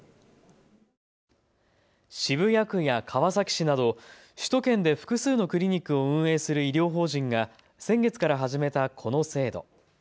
渋谷区や川崎市など首都圏で複数のクリニックを運営する医療法人が先月から始めたこの制度。